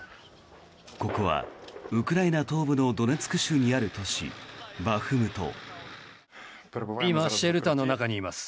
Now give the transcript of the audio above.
ここはウクライナ東部のドネツク州にある都市バフムト。